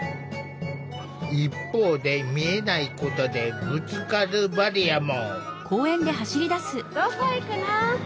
一方で見えないことでぶつかるバリアも。